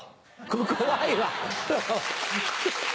怖いわ！